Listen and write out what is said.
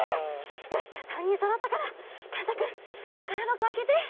よしじゃあ３にんそろったからかんたくんたからばこあけて。